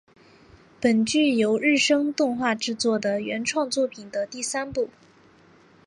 本剧由日升动画制作的原创作品的第三部。